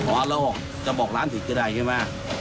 ว่าเราจะบอกรั้งสิ่งที่ได้ใช่ไหม